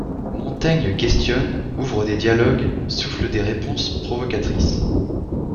Montaigne questionne, ouvre des dialogues, souffle des réponses provocatrices.